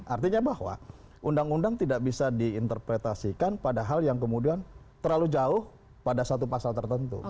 artinya bahwa undang undang tidak bisa diinterpretasikan padahal yang kemudian terlalu jauh pada satu pasal tertentu